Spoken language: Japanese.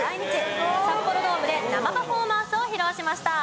札幌ドームで生パフォーマンスを披露しました。